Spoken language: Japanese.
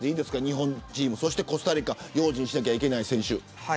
日本チーム、そしてコスタリカの用心しないといけない選手とか。